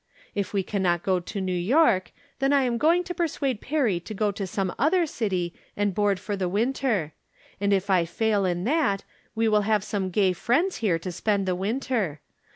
If we can not go to New York, then I am going to persuade Perry to go to some other city and board for the winter ; and if I fail in that we will haye some gay friends here to spend the winter.